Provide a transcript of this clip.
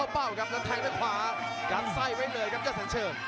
โปรดติดตามต่อไป